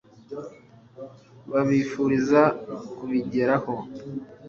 babifuriza kubigeraho